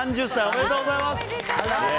３０歳、おめでとうございます。